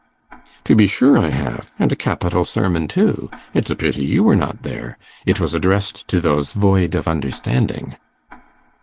'To be sure I have; and a capital sermon too. It's a pity you were not there. It was addressed to those "void of understanding."